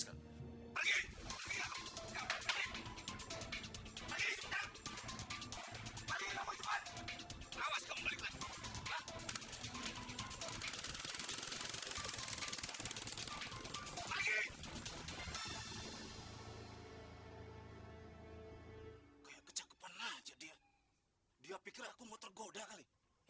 kecap kecap dia dia pikir aku mau tergoda kali